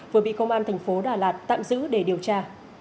vừa bị công an thành phố đà lạt tạm giữ để điều tra